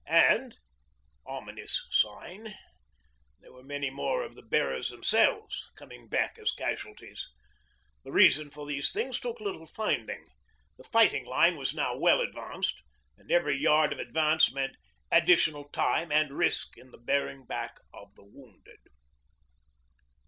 And ominous sign there were many more of the bearers themselves coming back as casualties. The reason for these things took little finding. The fighting line was now well advanced, and every yard of advance meant additional time and risk in the bearing back of the wounded.